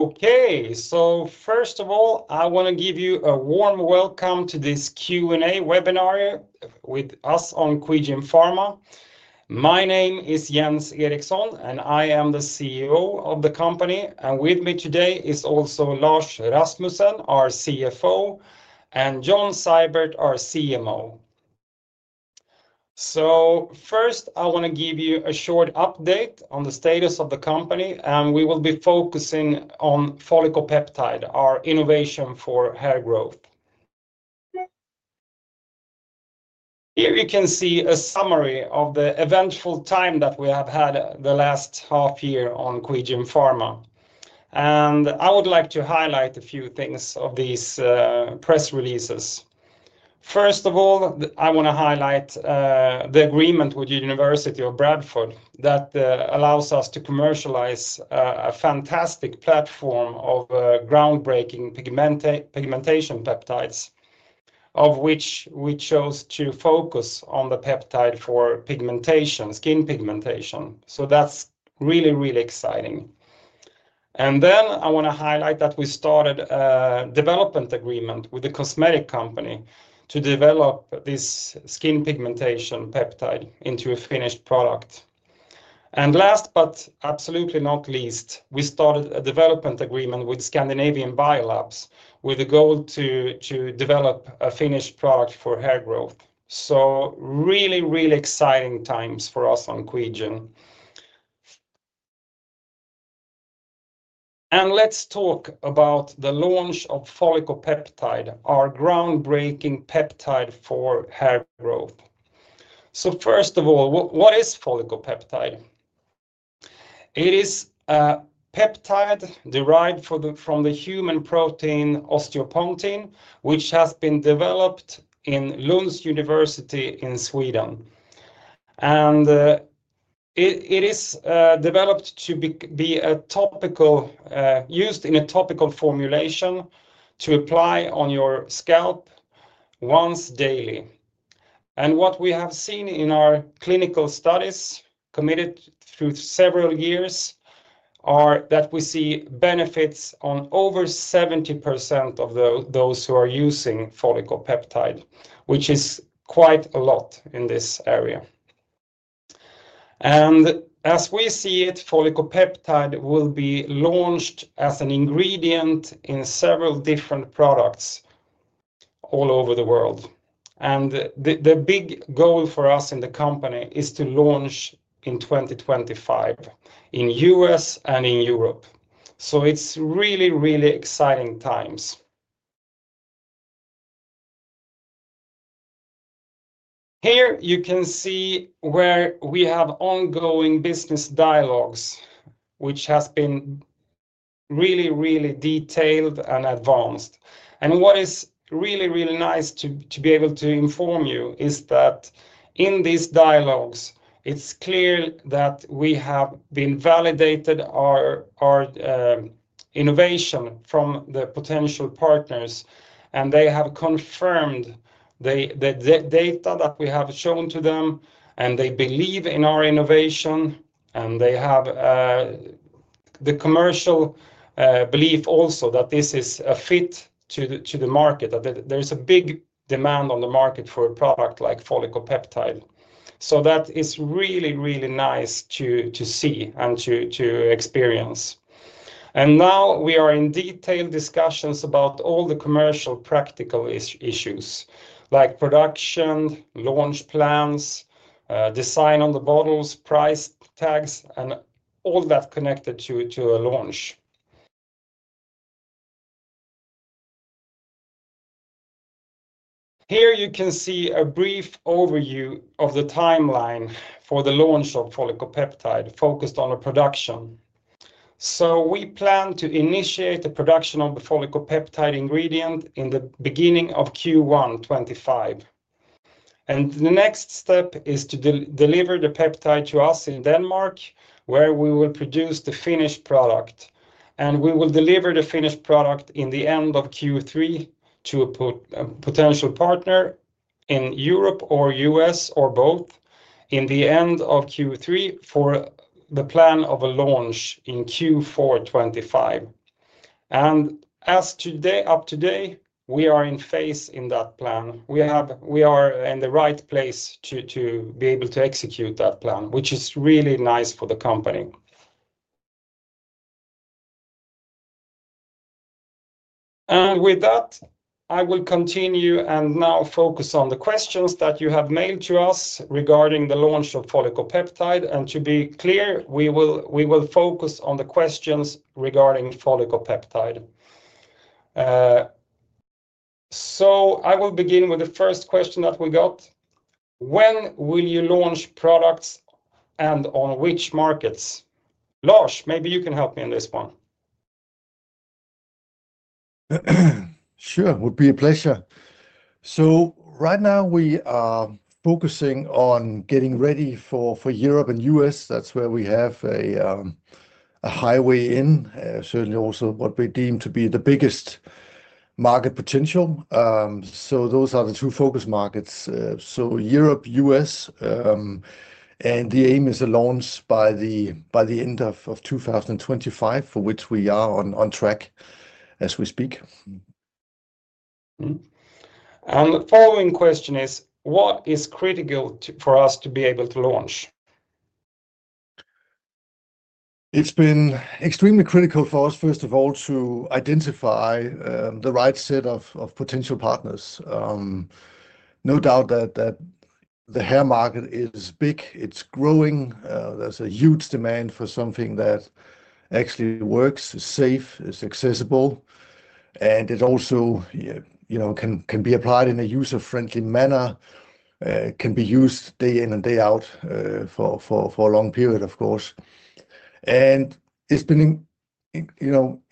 Okay, so first of all, I want to give you a warm welcome to this Q&A webinar with us on Coegin Pharma. My name is Jens Eriksson, and I am the CEO of the company. And with me today is also Lars Rasmussen, our CFO, and John Zibert, our CMO. So first, I want to give you a short update on the status of the company, and we will be focusing on Follicopeptide, our innovation for hair growth. Here you can see a summary of the eventful time that we have had the last half year on Coegin Pharma. And I would like to highlight a few things of these press releases. First of all, I want to highlight the agreement with the University of Bradford that allows us to commercialize a fantastic platform of groundbreaking pigmentation peptides, of which we chose to focus on the peptide for skin pigmentation. That's really, really exciting. Then I want to highlight that we started a development agreement with the cosmetic company to develop this skin pigmentation peptide into a finished product. Last but absolutely not least, we started a development agreement with Scandinavian Biolabs with the goal to develop a finished product for hair growth. Really, really exciting times for us on Coegin. Let's talk about the launch of Follicopeptide, our groundbreaking peptide for hair growth. First of all, what is Follicopeptide? It is a peptide derived from the human protein osteopontin, which has been developed in Lund University in Sweden. It is developed to be used in a topical formulation to apply on your scalp once daily. What we have seen in our clinical studies conducted through several years is that we see benefits on over 70% of those who are using Follicopeptide, which is quite a lot in this area. As we see it, Follicopeptide will be launched as an ingredient in several different products all over the world. The big goal for us in the company is to launch in 2025 in the U.S. and in Europe. It's really, really exciting times. Here you can see where we have ongoing business dialogues, which have been really, really detailed and advanced. What is really, really nice to be able to inform you is that in these dialogues, it's clear that we have been validated our innovation from the potential partners, and they have confirmed the data that we have shown to them, and they believe in our innovation, and they have the commercial belief also that this is a fit to the market, that there's a big demand on the market for a product like Follicopeptide. That is really, really nice to see and to experience. Now we are in detailed discussions about all the commercial practical issues, like production, launch plans, design on the bottles, price tags, and all that connected to a launch. Here you can see a brief overview of the timeline for the launch of Follicopeptide focused on production. We plan to initiate the production of the Follicopeptide ingredient in the beginning of Q1 2025. The next step is to deliver the peptide to us in Denmark, where we will produce the finished product. We will deliver the finished product in the end of Q3 to a potential partner in Europe or U.S. or both in the end of Q3 for the plan of a launch in Q4 2025. As today, up to date, we are in phase in that plan. We are in the right place to be able to execute that plan, which is really nice for the company. With that, I will continue and now focus on the questions that you have mailed to us regarding the launch of Follicopeptide. To be clear, we will focus on the questions regarding Follicopeptide. I will begin with the first question that we got. When will you launch products and on which markets? Lars, maybe you can help me on this one. Sure, it would be a pleasure. So right now we are focusing on getting ready for Europe and U.S. That's where we have a highway in, certainly also what we deem to be the biggest market potential. So those are the two focus markets. So Europe, U.S., and the aim is a launch by the end of 2025, for which we are on track as we speak. The following question is, what is critical for us to be able to launch? It's been extremely critical for us, first of all, to identify the right set of potential partners. No doubt that the hair market is big. It's growing. There's a huge demand for something that actually works, is safe, is accessible, and it also can be applied in a user-friendly manner, can be used day in and day out for a long period, of course. And it's been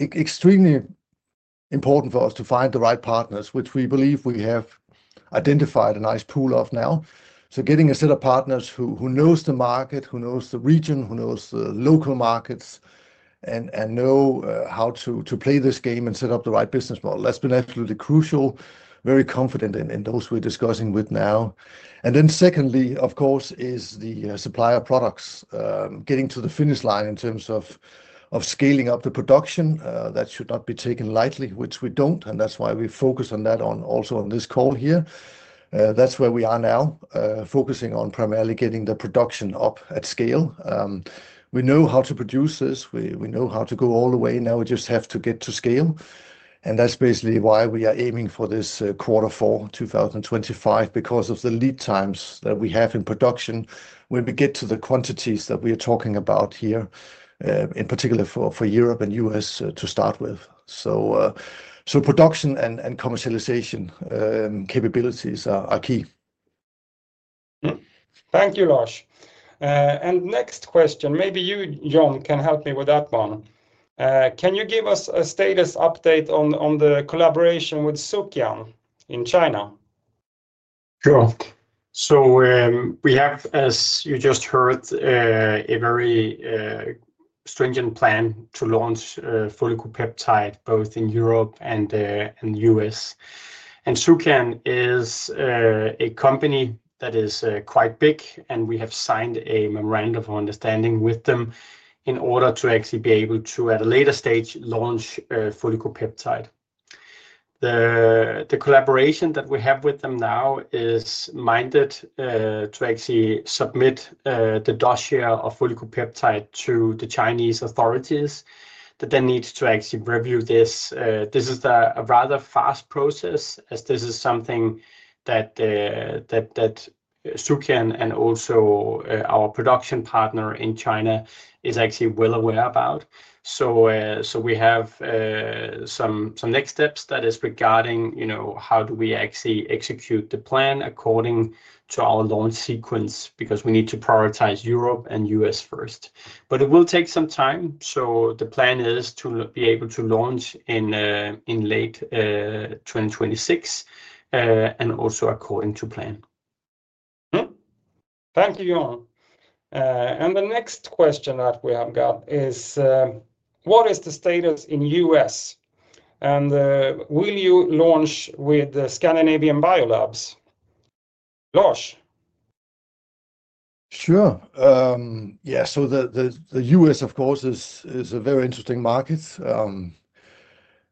extremely important for us to find the right partners, which we believe we have identified a nice pool of now. So getting a set of partners who knows the market, who knows the region, who knows the local markets, and know how to play this game and set up the right business model. That's been absolutely crucial. Very confident in those we're discussing with now. Then secondly, of course, is the supplier products getting to the finish line in terms of scaling up the production. That should not be taken lightly, which we don't. That's why we focus on that also on this call here. That's where we are now, focusing on primarily getting the production up at scale. We know how to produce this. We know how to go all the way. Now we just have to get to scale. That's basically why we are aiming for this quarter four, 2025, because of the lead times that we have in production when we get to the quantities that we are talking about here, in particular for Europe and U.S. to start with. Production and commercialization capabilities are key. Thank you, Lars. And next question, maybe you, John, can help me with that one. Can you give us a status update on the collaboration with Zhejiang Sukean in China? Sure. So we have, as you just heard, a very stringent plan to launch Follicopeptide both in Europe and the U.S., and Sukean is a company that is quite big, and we have signed a memorandum of understanding with them in order to actually be able to, at a later stage, launch Follicopeptide. The collaboration that we have with them now is meant to actually submit the dossier of Follicopeptide to the Chinese authorities that then needs to actually review this. This is a rather fast process, as this is something that Sukean and also our production partner in China is actually well aware about, so we have some next steps that is regarding how do we actually execute the plan according to our launch sequence because we need to prioritize Europe and U.S. first, but it will take some time. So the plan is to be able to launch in late 2026 and also according to plan. Thank you, John. And the next question that we have got is, what is the status in the U.S.? And will you launch with the Scandinavian Biolabs? Lars? Sure. Yeah, so the U.S., of course, is a very interesting market.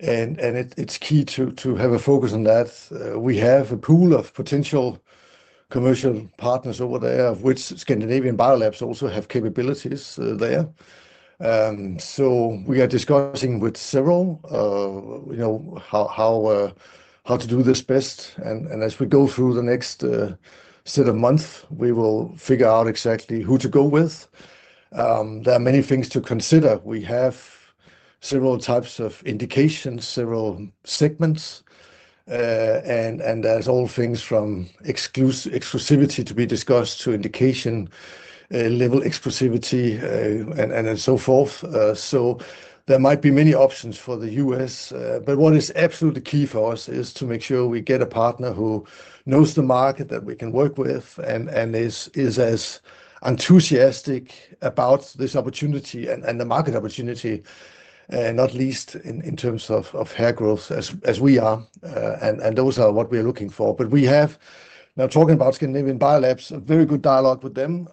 It is key to have a focus on that. We have a pool of potential commercial partners over there, of which Scandinavian Biolabs also have capabilities there. So we are discussing with several how to do this best. As we go through the next set of months, we will figure out exactly who to go with. There are many things to consider. We have several types of indications, several segments. There are all things from exclusivity to be discussed to indication level exclusivity and so forth. There might be many options for the U.S. But what is absolutely key for us is to make sure we get a partner who knows the market that we can work with and is as enthusiastic about this opportunity and the market opportunity, not least in terms of hair growth as we are. And those are what we are looking for. But we have now talking about Scandinavian Biolabs, a very good dialogue with them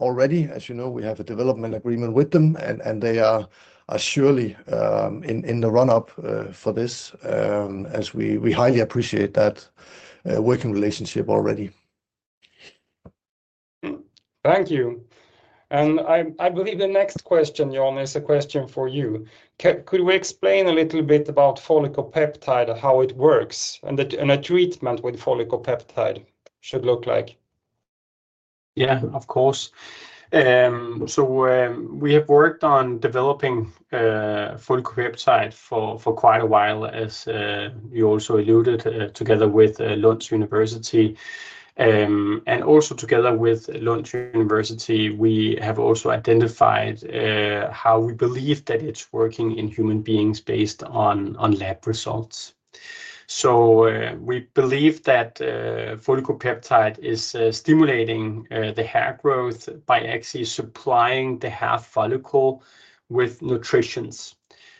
already. As you know, we have a development agreement with them, and they are surely in the run-up for this, as we highly appreciate that working relationship already. Thank you. And I believe the next question, John, is a question for you. Could we explain a little bit about Follicopeptide, how it works, and a treatment with Follicopeptide should look like? Yeah, of course. So we have worked on developing Follicopeptide for quite a while, as you also alluded, together with Lund University. And also together with Lund University, we have also identified how we believe that it's working in human beings based on lab results. So we believe that Follicopeptide is stimulating the hair growth by actually supplying the hair follicle with nutrients.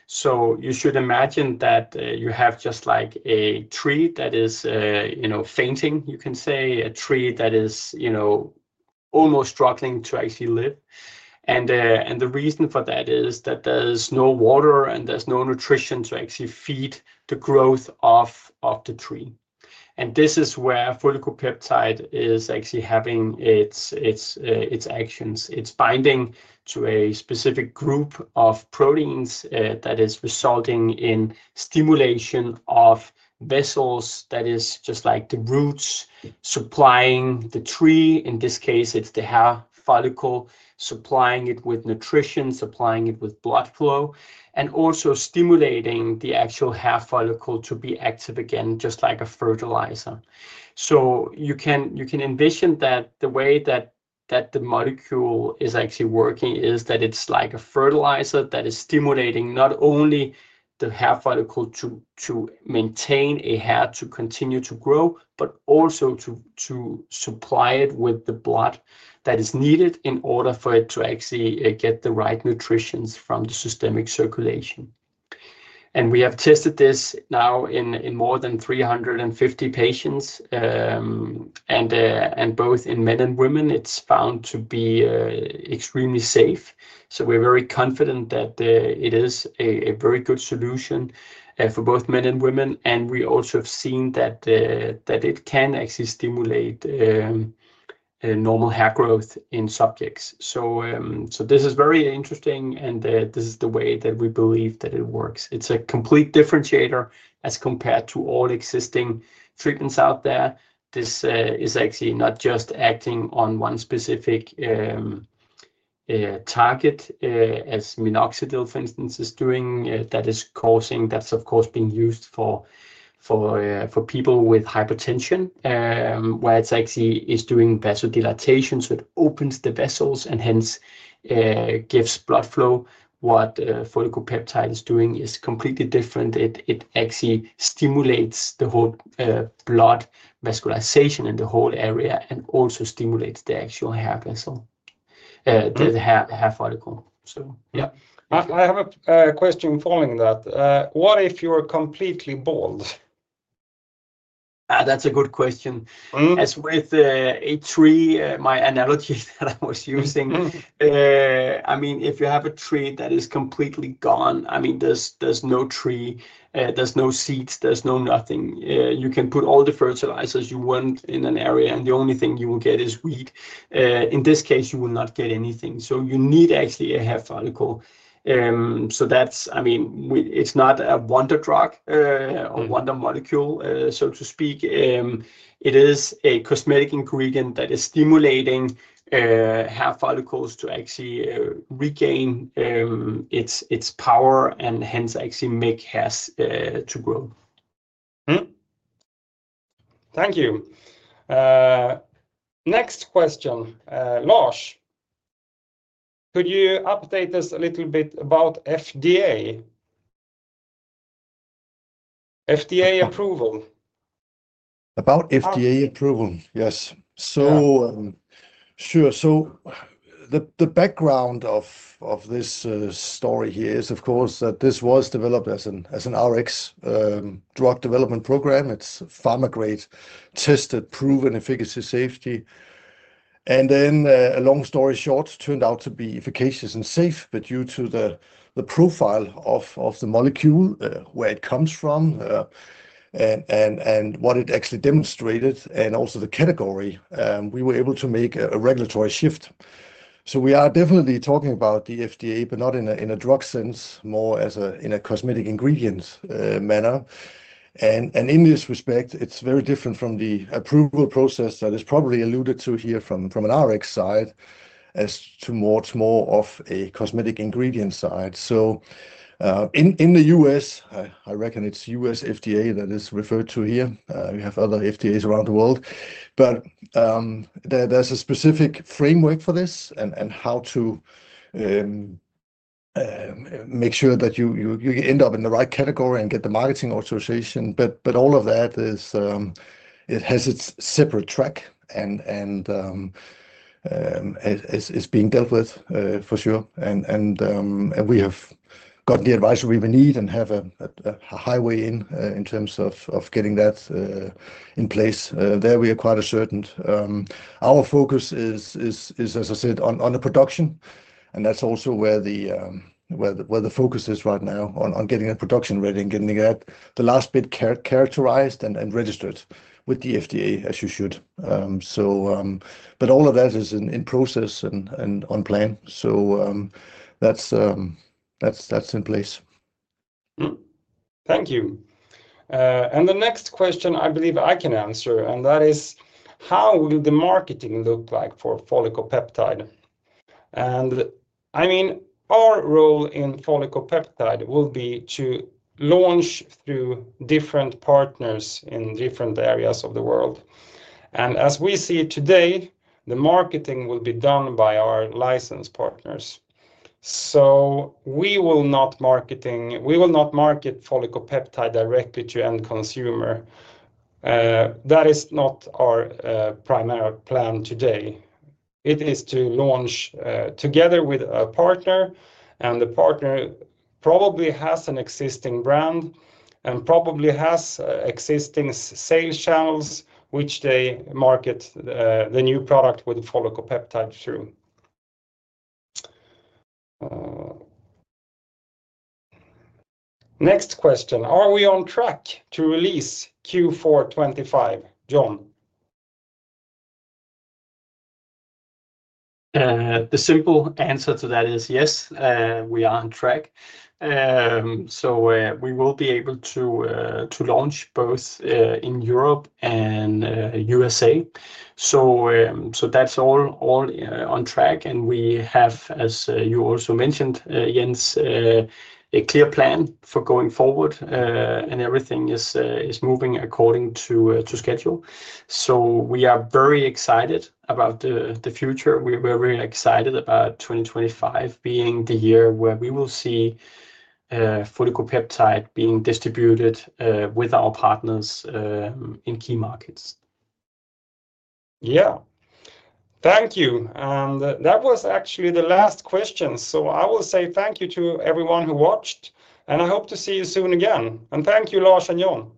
So you should imagine that you have just like a tree that is fainting, you can say, a tree that is almost struggling to actually live. And the reason for that is that there's no water and there's no nutrition to actually feed the growth of the tree. And this is where Follicopeptide is actually having its actions. It's binding to a specific group of proteins that is resulting in stimulation of vessels that is just like the roots supplying the tree. In this case, it's the hair follicle supplying it with nutrition, supplying it with blood flow, and also stimulating the actual hair follicle to be active again, just like a fertilizer, so you can envision that the way that the molecule is actually working is that it's like a fertilizer that is stimulating not only the hair follicle to maintain a hair to continue to grow, but also to supply it with the blood that is needed in order for it to actually get the right nutritions from the systemic circulation, and we have tested this now in more than 350 patients, and both in men and women, it's found to be extremely safe, so we're very confident that it is a very good solution for both men and women, and we also have seen that it can actually stimulate normal hair growth in subjects. This is very interesting, and this is the way that we believe that it works. It's a complete differentiator as compared to all existing treatments out there. This is actually not just acting on one specific target, as minoxidil, for instance, is doing, that is causing. That's of course being used for people with hypertension, where it's actually doing vasodilation. So it opens the vessels and hence gives blood flow. What Follicopeptide is doing is completely different. It actually stimulates the whole blood vascularization in the whole area and also stimulates the actual hair follicle. I have a question following that. What if you are completely bald? That's a good question. As with a tree, my analogy that I was using, I mean, if you have a tree that is completely gone, I mean, there's no tree, there's no seeds, there's no nothing. You can put all the fertilizers you want in an area, and the only thing you will get is weed. In this case, you will not get anything. So you need actually a hair follicle. So that's, I mean, it's not a wonder drug or wonder molecule, so to speak. It is a cosmetic ingredient that is stimulating hair follicles to actually regain its power and hence actually make hairs to grow. Thank you. Next question, Lars. Could you update us a little bit about FDA approval? About FDA approval, yes. So sure. So the background of this story here is, of course, that this was developed as an Rx drug development program. It's pharma-grade, tested, proven efficacy, safety. And then a long story short, turned out to be efficacious and safe. But due to the profile of the molecule, where it comes from, and what it actually demonstrated, and also the category, we were able to make a regulatory shift. So we are definitely talking about the FDA, but not in a drug sense, more as in a cosmetic ingredient manner. And in this respect, it's very different from the approval process that is probably alluded to here from an Rx side as towards more of a cosmetic ingredient side. So in the U.S., I reckon it's U.S. FDA that is referred to here. We have other FDAs around the world. But there's a specific framework for this and how to make sure that you end up in the right category and get the marketing authorization. But all of that, it has its separate track and is being dealt with for sure. And we have gotten the advisory we need and have a highway in terms of getting that in place. There we are quite assured. Our focus is, as I said, on the production. And that's also where the focus is right now on getting the production ready and getting the last bit characterized and registered with the FDA, as you should. But all of that is in process and on plan. So that's in place. Thank you. And the next question, I believe I can answer. And that is, how will the marketing look like for Follicopeptide? And I mean, our role in Follicopeptide will be to launch through different partners in different areas of the world. And as we see today, the marketing will be done by our licensed partners. So we will not market Follicopeptide directly to end consumer. That is not our primary plan today. It is to launch together with a partner. And the partner probably has an existing brand and probably has existing sales channels, which they market the new product with Follicopeptide through. Next question, are we on track to release Q425, John? The simple answer to that is yes, we are on track. So we will be able to launch both in Europe and USA. So that's all on track. And we have, as you also mentioned, Jens, a clear plan for going forward, and everything is moving according to schedule. So we are very excited about the future. We are very excited about 2025 being the year where we will see Follicopeptide being distributed with our partners in key markets. Yeah. Thank you, and that was actually the last question, so I will say thank you to everyone who watched, and I hope to see you soon again. And thank you, Lars and John.